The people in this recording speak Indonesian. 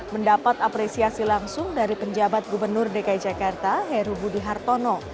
mendapat apresiasi langsung dari penjabat gubernur dki jakarta heru budi hartono